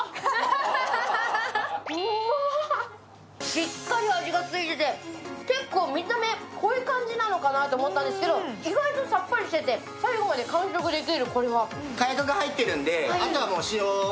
しっかり味がついてて、結構、見た目濃い感じなのかなと思ったんですけど意外とさっぱりしてて最後まで完食できる、これは。